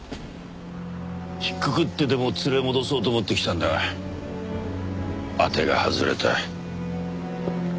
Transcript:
引っくくってでも連れ戻そうと思って来たんだが当てが外れた。